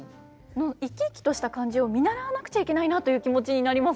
生き生きとした感じを見習わなくちゃいけないなという気持ちになります